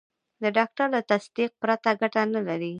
د ډاکټر له تصدیق پرته ګټه نه لري.